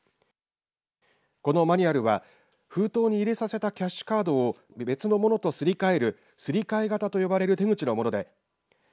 このマニュアルは封筒に入れさせたキャッシュカードを別のものとすり替えるすり替え型と呼ばれる手口のものです。